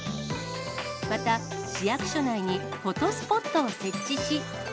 また市役所内にフォトスポットを設置し。